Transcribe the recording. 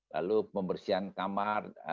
lalu pembersihan kamar